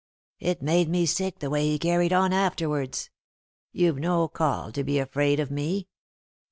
It made me sick the way he carried on afterwards. You've no call to be afraid of me."